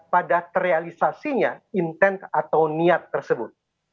pada terrealisasinya intens atau niat tersebut